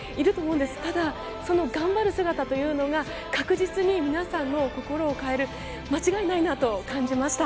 ただ、頑張る姿というのが確実に皆さんの心を変える間違いないなと感じました。